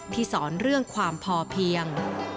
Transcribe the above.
สอนเรื่องความพอเพียง